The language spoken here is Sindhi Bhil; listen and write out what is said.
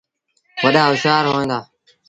وڏآ هوشآر هوئيݩ دآ